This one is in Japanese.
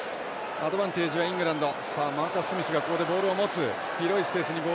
アドバンテージはイングランド。